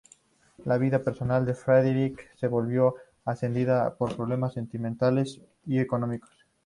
La vida personal de Frederick se vio asediada por problemas sentimentales y económicos.